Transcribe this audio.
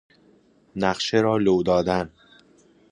نقشه را لو دادن